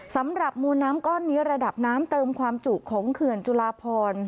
สำหรับมูลน้ำก้อนนี้ระดับน้ำเติมความจุของเขื่อนจุลาพร